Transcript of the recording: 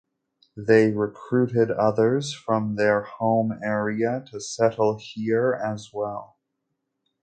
They recruited others from their home area to settle here as well.